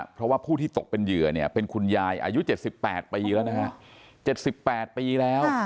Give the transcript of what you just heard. เพราะว่าผู้ที่ตกเป็นเยือคุณยายอายุ๗๘ปีแล้ว